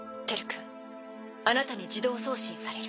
あなたに自動送信される。